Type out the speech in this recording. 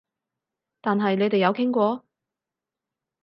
但係你哋有傾過？